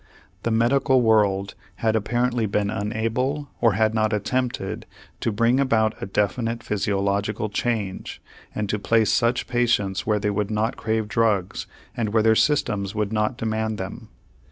The medical world had apparently been unable or had not attempted to bring about a definite physiological change, and to place such patients where they would not crave drugs and where their systems would not demand them.